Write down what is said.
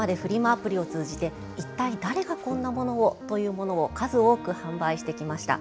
アプリを通じて一体誰がこんなものをというものを数多く販売してきました。